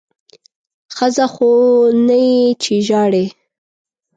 ښځه خو نه یې چې ژاړې!